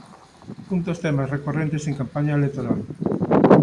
Un dos temas recorrentes en campaña electoral.